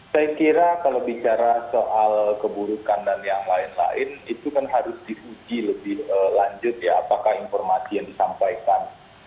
saya kira kalau bicara soal keburukan dan yang lain lain itu kan harus diuji lebih lanjut ya apakah informasi yang disampaikan